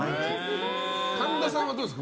神田さんはどうですか？